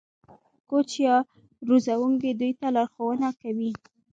کوچ یا روزونکی دوی ته لارښوونه کوي.